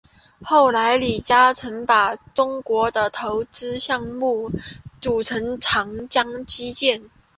后来李嘉诚把中国的投资项目组成长江基建。